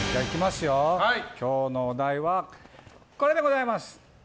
今日のお題はこれでございます。